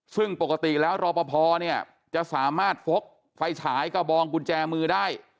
ซึ่งปกติแล้วรอปภเนี่ยจะสามารถฟกไฟฉายกระบองกุญแจมือได้